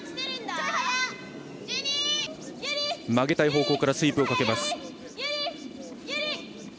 曲げたい方向からスイープをかけます。